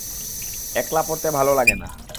একলা পড়তে ভালো লাগে না।